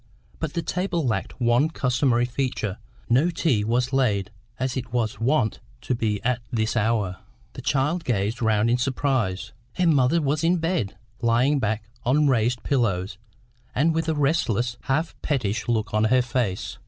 But the table lacked one customary feature; no tea was laid as it was wont to be at this hour. The child gazed round in surprise. Her mother was in bed, lying back on raised pillows, and with a restless, half pettish look on her face.